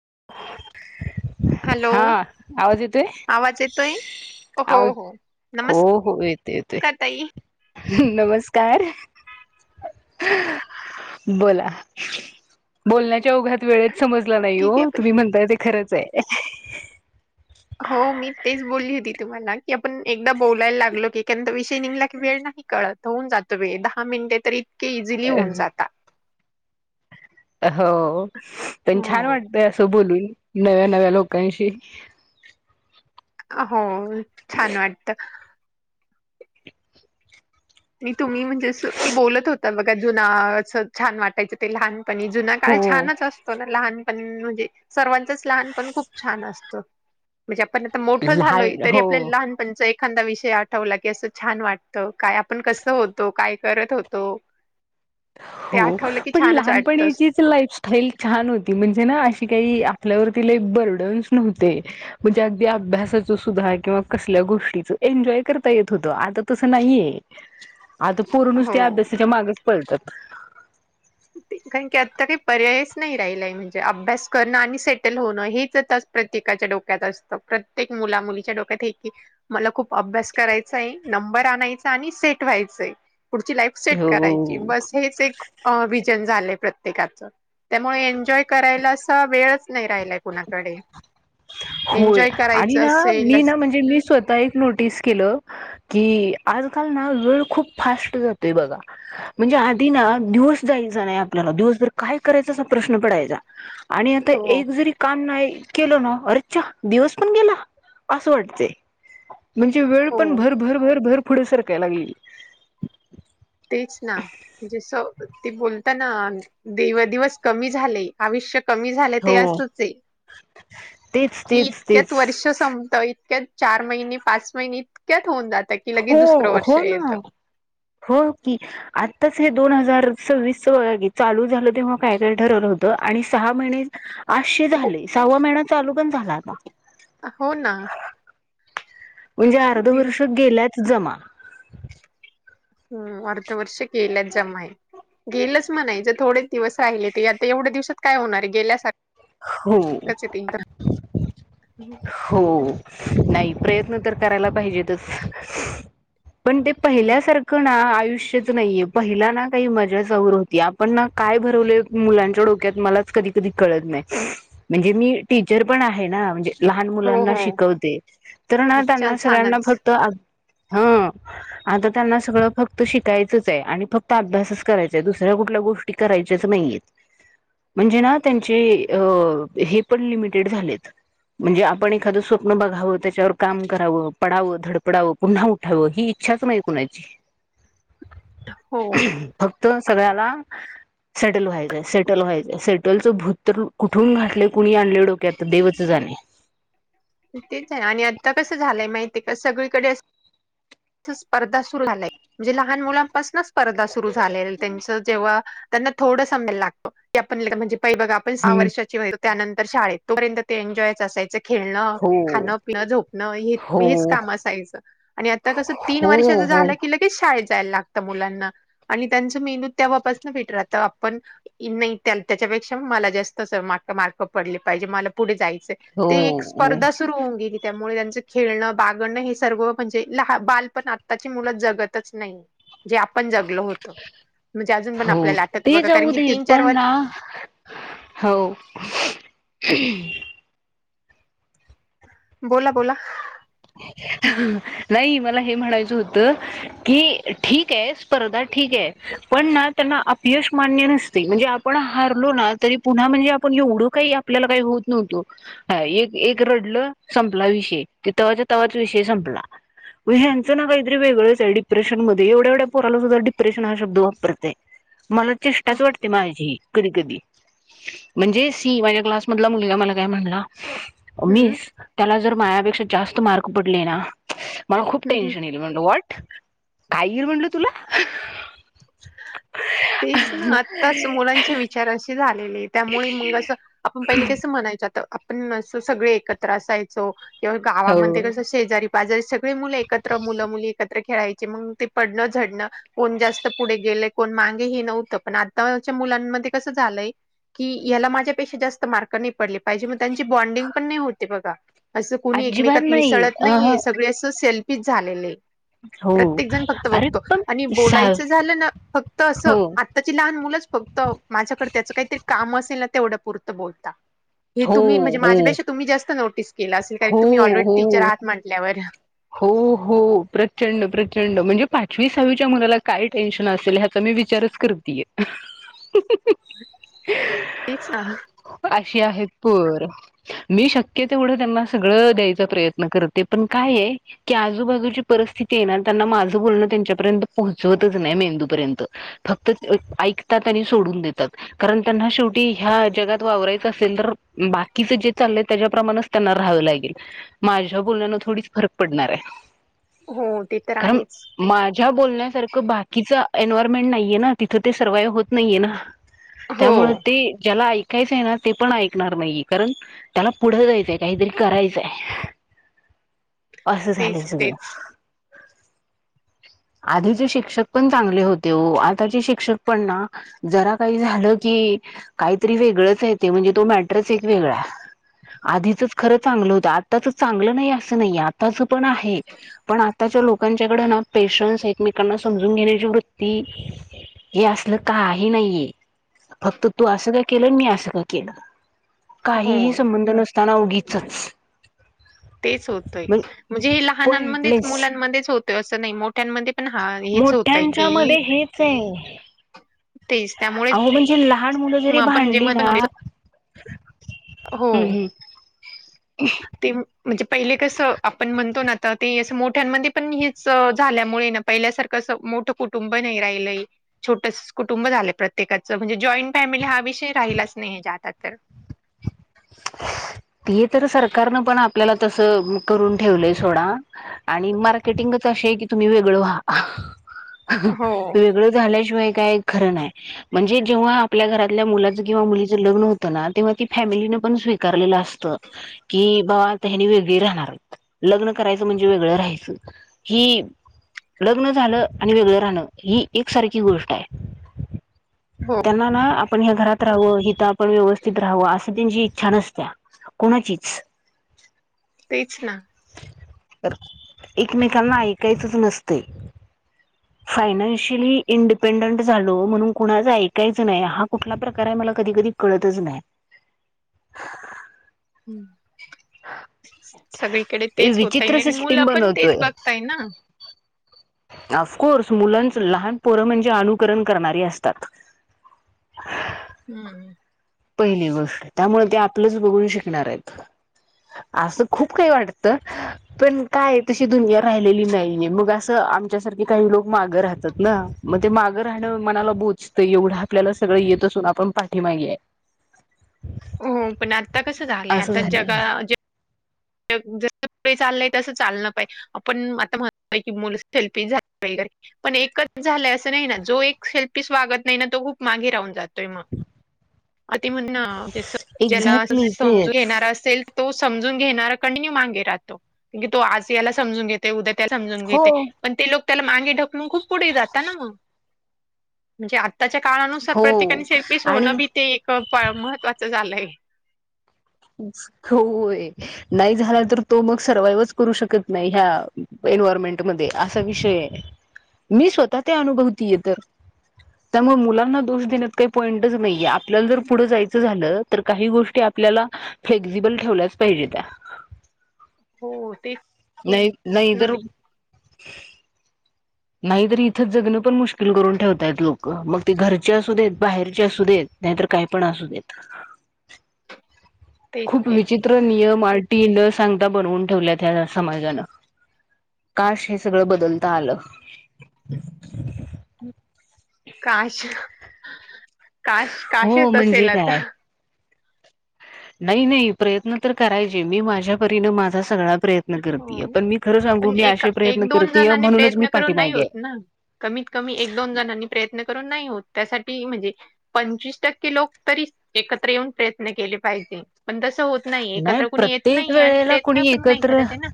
[unintelligible] Hello हा आवाज येतय? आवाज येतोय हो आवा हो हो. नमस्कार हो. येतोय-येतोय ताई नमस्कार. बोला बोलण्या च्या ओघात वेळेत समजला नाही ठीक ओ. आहे पण ते खरंच आहे. हो मी तेच बोलली होती तुम्हाला की आपण एकदा बोलायला लागलो की [unintelligible] वेळ नाही कळत होऊन जातो वेळ दहा मिनटे तर इतके इझिली होऊन जाता हो पण छान हो वाटतय असं बोलून. नव्या नव्या लोकांशी. हो छान वाटत. मी तुम्ही म्हणजे असं बोलत होता बघा जुना असं छान वाटायचं ते लहान पणी जुना काळ हो छानच असतो ना लहानपण म्हणजे सर्वांचच लहानपण खूप छान असत. म्हणजे आपण आता मोठं झालोय लहान तरी हो आपल्या लहानपणचं एक खांदा विषय आठवला की असं छान वाटतं काय आपण कसं होतो, काय करत होतो. ते हो आठवलं की पण छानच वाटतंस लहानपणीचीच लाईफस्टाईल छान होती म्हणजे ना अशी काही आपल्यावर लई बर्डन्स नव्हते म्हणजे अगदी अभ्यासाचं सुद्धा किंवा कसल्या गोष्टीच एन्जॉय करता येत होत आता तस नाहीये. आता पोर हो नुसती अभ्यासाच्या मागच पळतात. [unintelligible] तेे कारण की आता काही पर्यायच नाही राहिलाय म्हणजे अभ्यास करणं आणि सेटल होणं हेच आता प्रत्येकाच्या डोक्यात असतं प्रत्येक मुला मुलीच्या डोक्यात हे आहे की मला खूप अभ्यास करायचंय नंबर आणय च आणि सेट व्हायचंय पुढची लाईफ सेट हो करायची बस हेच एक विजन झालंय प्रत्येकाच त्यामुळे एन्जॉय करायला अस वेळच नाही राहिलाय कुणा कडे होय आणि ना मी ना म्हणजे मी स्वतः एक नोटीस केलं की आजकाल ना वेळ खूप फास्ट जातोय बघा म्हणजे आधी ना दिवस जायचा नाही आपल्याला दिवसभर काय करायच असा प्रश्न पडायचा आणि आता हो एक जरी काम नाही केलं ना अरे दिवस पण गेला अस वाटतंय म्हणजे वेळ हो पण भर भर भर भर पुढे सरकायला लागली तेच ना जस ते बोलता ना देव दििवस कमी झाले आवश्यक कमी झालं ते हो असच आहे तेच की तेच तेच इतक्यात वर्ष संपत इतक्यात चार महिने पाच महिने कथोऊ दता की लग दुसर हो वर्ष हो ये ना त हो की आत्ताच हे दोन हजार सव्वीस च चालू झालं तेव्हा काय काय ठरवलं होतं आणि सहा महिने आठशे हो झाले सहावा महिना चालू पण झाला आता हो ना म्हणजे अर्ध दिव वर्ष गेल्याच जमा हम् अर्ध वर्ष गेल्यात जमा आहे गेलच म्हणा ज थोडे दिवस राहिले ते आता एवढ्या दिवसात काय होणार हो गेल्यासारखच य त हो नाही प्रयत्न तर करायला पाहिजेतच पण ते तेच पहिल्यासारखं ना आयुष पहि ना काही मजा स होती आपण ना काय भरवले मुलांच्या डोक्यात म नाही म्हण मीी पण आहे लहान हो मुलांना हो शिकवते तर ना अच्छा त्यांना सगळ्यांना छानच फक्त हा आता त्यांना सगळं फक्त शिकायचंच आहे आणि फक्त अभ्यासच करायचां आहे दुसऱ्या कुठल्या गोष्टी करायच्या शसमयत म्हणजे ना त्यांचे हे पण लिमिटेड झाले म्हणजे आपण एखादं स्वप्न बघावं त्याच्यावर काम करावं पडावं धडपडावं पुन्हा उठावं ही इच्छा मा कणाची ह फक्त सगळ्याला सेटल व्हायचंय सेटल व्हायचंय सेटलचं भूत कुठून घाटले कुणी आणले डोके आ देवच जाणे तेच आहे आणि आता कसं झालंय माहिती आहे का सगळीकडे स्पर्धा सुर झा म्हणजे लहान मुलांपासूनच स्पर्धा सुरु झाले त्यांच जेव्हा थोडम लागतो आपज. काही बघा आपण सहा हम्म वर्षाचीो त्यानंतर शाळेत तोपर्यंत ते एन्जॉयच असायच. खेळणं हो खाणं पिणं झोपणं हे हेच हो काम असायचं आणि आ. कस तीन वर्षा हो झा हो के ये चायला लागत मुलांना आणि त्यांच मेंदूत तेव्हा पासन फिट राहत आपण इन त्याच्यापेक्षा मला जास्त मार्क पडले पाहिजे मला पुढे जाय हो ते एक हो स्पर्धा सुरु होऊन गेली त्यामुळे त्यांच खेळणं बागणं हे सर्व म्हणजे ल बालपण आत्ताची मुलं जगतच नाही. जे आपण जगलो होत म्हणजे अजून पण हो आपल्याला आठत ते बघा जाऊ कारण की दे तीन चार पण वर्ष ना हो, [unintelligible] बोला बोला, नाही मला हे म्हणायचं होतं की ठीक आहे स्पर्धा ठीक आहे. पण ना त्यांना अपय मान्य नसते म्हणजे आपण हारलो ना तरी पुन्हा म्हणजे आपणव आपल्या का होत न्ह रड संला विषय, [unintelligible] ग ह यांचं ना काहीरी वेगळंच आहे डिप्रेशनमध्येध्ये एवढ्या एवढ्या पोरालाद्ध डिप्रेशन हा शब्द वापरतय. मला चिष्टाच वाटते माझी, कधी कधी म्हणजे सी माझ्या क्लासमधला मुलगा मला काय म्हणला हम्म मीस त्याला जर मायापेक्षा जास्त मार्क पडले ना मला खूप हम्म टेन्शन येईल म्हणलं वाट काय येईल म्हणलं तुला तेच ना आताच मुलांचे विचार असे झाले त्यामुळे मग अस आपण पहि कस म्हणायच पण सगळे एकत्र असायचो किंवा गावामध्ये हो कस शेजारी. बाजारी सगळी मुलं एकत्र मुलं मुली एकत्र खेळायची मग ते पडणं झडणं कोण जास्त पुढे गे कोण मागे हे नव्हतं पण आताच्या मुलांमध्ये कसं झालंय की याला माझ्यापेक्षा जास्त मार्क नाही पडले पाहिजे त्यांची बॉन्डिंग पण नाही होते बघा असं कोणी अजिबात एकमेकात नाही मिसळत अ नाहीये सगळे असं सेल्फ झाले हो प्रत्येक जण फक्त अरे बघतो पण आणि सा बोलायचं झालं ना फक्त तर असं हो आत्ताची लहान मुलंच फक्त माझ्याकडे त्याचं काहीतरी काम असेल ना तेवढ्या पुुरतं बोलता हे हो तुम्ही म्हणजे हो माझ्यापेक्षा तुम्ही. हो हो हो हो प्रचंड प्रचंड म्हणजे पाचवी सहावीच्या मुलाला काय टेन्शन असेल ह्याचा म विचारच करतीय. [unintelligible] ते, अशी आहेत मी शक्य तेवढं त्यांना सगळं द्यायचा प्रयत्न करते पण काय आहे. की आजूबाजूची परिस्थिती येणार त्यांना माझं बोलणं त्यांच्यापर्यंत पोहोचवतच नाही मेंदूपर्यंत फक्त ऐकतात आणि सोडून देतात कारण त्यांना शेवटी ह्या जगात वारायच असेल तर बाकीच जे चाललं त्याप्रमाणेच त्यांना राहवं लागेल माझ्या बोलणे थोडी फरक पडणार आहे हो ते तर कारण आहेच माझ्या बोलण्यासारख बाकीच एन्व्हायरमेंट नाहीये ना तिथं ते सर्वाइव्ह होत नाहीये ना हो त्यामुळे ते ज्याला काहीच आहे ना ते पण ऐकणार नाहीये कारण त्याला पुढं जायचंय काहीतरी करायचंय. [inaudible] असं झालंय तेच सगळं. तेच [inaudible] आधीचे शिक्षक पण चांगले होते आताचे शिक्षक पण ना जरा काही झालं की काहीतरी वेगळंच येते म्हणजे तो मॅट्रस एक वेगळा आधीचच खरं चांगलं होतं आत्ताच चांगलं नाही असं नाही आ च पण आहे पण आताच्या लोकांच्याकड ना पेशन्स एकमेकांना समजून घेण्याची वृत्ती हे असलं काही नाहीये, फक्त तू असं का केलं मी असं का केलं हो काहीही संबंध नसताना ओगीचच तेच होतोय म्हणजे हे लहानांमध्येच पॉइंटलेस मुलांमध्येच होतंय असं नाही मोठ्यांमध्ये पण हा हेच होतय की मोठ्यांच्या मध्ये हेच आहे तेच त्यामुळे लाहान मुलं जरी भांडली नाम् हो अ ते म्हणजे पहिले कसं आपण म्हणतो ना आ ते अस मो मोठ्यांमध्ये पण हीच झाल्यामुळे ना पहिल्यासारखं मोठं कुटुंब नाही राहिलय छोट कुटुंब झाले प्रत्येकाच म्हणजे जॉईंट फॅमिली हा विषय राहिलाच नाही ज आता तर [inaudible] ते तर सरकारन पण आपल्याला त करून ठेवलंय सोड आणि मार्केटिंग असं झालं काय तुम्ही वेगळं व्हा हो वेगळं झालं म्हणल आपलं काही खरं नाही म्हणजे जेव्हा आपल्या घरातील मुलांचं किंवा मुलीचं लग्न होतना तेव्हा ती फॅमिली नको ण स्वीकार अस की बा त्यानी वेगळी राहणार लग्न करायचं म्हणजे वेगळ रा ही लग्न झालं आणि वेगळं राहणं ही एकसारखी गोष्ट आहे हो त्यांना ना आपण ह्या घरात राहावं हिथ आपण व्यवस्थित राहावं असं त्यांची इच्छा नसत्या कोणाचीच तेच ना तर एकमेकांना ऐकायचंच नसते [inaudible] फायनान्शियली इंडिपेंडंट झालो म्हणून कुणाच ऐकायचं नाही हा कुठला प्रकार आहे मला कधी कधी कळतच नाही [inaudible] हं. सगळीकडे तेच होतय विचित्र आणि मुलं सिस्टीम पण बनवतोय तेच बघताय ना ऑफकोर्स मुलांच लहान पोरं म्हणजे अनुकरण करणारी असतात हम्म पहिली गोष्ट त्यामुले ते आपलंच बघून शिकणार आहेत आसं खूप काही वाटत पण काये तशी दुनिया राहिलेली नाहीये मग असं आमच्यासारखे काही लोक मागं राहतात ना मग ते मागं राहण मनाला बोचतं एवढं आपल्याला स सगळ येत असून आपण पाठीमागे आहे [inaudible] हम पण आता कसं झालंय असं आता जगा झालंय जस पुढे चाललंय तसं चालण पाहिजे आपण आता म्हण की मुलं सेल्फीश झा पाहिजे पण एकच झालंय असं नाही ना जो एक शेल्पीस वागत नाही ना तो खूप मागे राहून जातो [unintelligible] ज्याला एक्झॅक्टली समून तेच घेणार असेल तो समजून घेणार कंटिन्यू मागे राहतो तो आज याला समजून घेते उद्या समजून हो घेते पण ते लोक त्याला मागे ढकलून खूप पुढे जाता ना मग म्हणजे आत्ता त्याच्या काळनुसार हो प्रत्येकाने सेल्फीश होणं आणि बी ते एक महत्त्वाचं झालंय होय नाही झाला तर तो मग सर्वाइव्हच करू शकत नाही ह्या एन्वयरमेंट मध्ये असा विषय मी स्वतः ते अनुभवतीय तर त्यामुळे मुलांना दोष देण्यात काही पॉईंटच नाहीये आपल्याला जर पुढं जायचं झालं तर काही गोष्टी आपल्याला फ्लेक्झिबल ठेवल्याच पाहिजे त्या हो तेच नाही नाही इधर ना [inaudible] नाहीतरी इथं जगणं पण मुश्किल करून ठेवताय लोक मग ते घरचे असू देत बाहेरचे असू देत नाही तर तर काय पण असू येत [inaudible] तेच खूप तेच विचित्र नियम आटी न सांगता बनवून ठेवल्यात ह्या समाजानं. काश हे सगळं बदलता आलं. काश? काश हो काशेच म्हणजे असेल आता. काय नाही नाही प्रयत्न तर करायचे मी माझ्या परीन माझा सगळा प्रयत्न करतय हो पण मी खरं सांगू पण मी एका असे एक प्रयत्न दोन करतेय जणांनी म्हणूनच मी प्रयत्न करून नाही पाठीमागे होत आहे. ना. [unintelligible] एक दोन जणांनी प्रयत्न करून नाही होत त्यासाठी [inaudible] म्हणजे पंचवीस टक्के लोक तरी एकत्र येऊन प्रयत्न केले पाहिजे पण तस होत. नाही एकत्र कुणी येत नाही आणि प्रयत्न पण नाही. तर [unintelligible] करत आहे ना.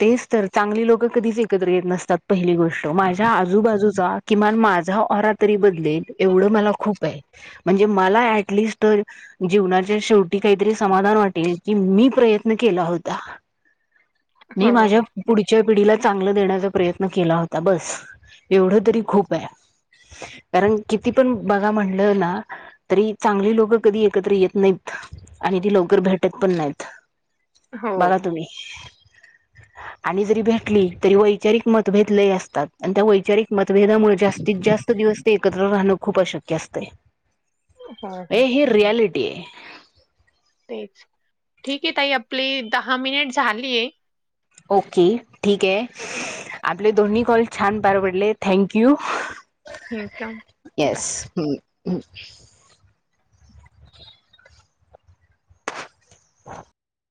तेच तर चांगली लोक कधीच एकत्र येत नसतात पहिली गोष्ट माझ्या आजूबाजूचा किमान मा. माझा ऑरा तरी बदलेल एवढ मला खूप आहे म्हणजे मला ॲटलिस्ट जीवना [unintelligible] शेवटी काहीतरी समाधान वाटेल की मी प्रयत्न केला होता. [inaudible] मी हो. माझ्या पुढच्या पिढीला चांगलं देण्याचा प्रयत्न केला होता बस एवढं तरी खूप आहे. कारण किती पण बघा म्हणलं ना तरी चांगली लोक कधी एकत्र येत नाहीत. आणि ती लवकर भेटत पण नाहीत हो बघा तुम्ही [inaudible] आणि जरी भेटली तरी वैचारिक मतभेद लय असतात आणि त्या वैचारिक मतभेदामुळे जास्तीत जास्त. जात दिवस ते एकत्र राहणं खूप अशक्य असते. हो अ हो ही रियालिटी आहे. तेच ठीक आहे ताई आपली दहा मिनिट झालीय. ओके ठीक आहे आपले दोन्ही कॉल छान पार पडले थँक यू ठीक आहे बाय. येस. ह. ह.